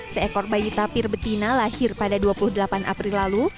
seekor bayi tapir betina lahir pada dua puluh delapan april lalu